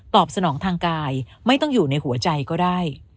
สนองทางกายไม่ต้องอยู่ในหัวใจก็ได้